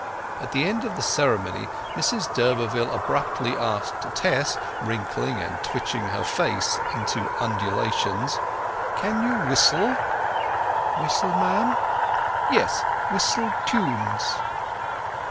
At the end of the ceremony Mrs d'Urberville abruptly asked Tess, wrinkling and twitching her face into undulations, "Can you whistle?" "Whistle, Ma'am?" "Yes, whistle tunes."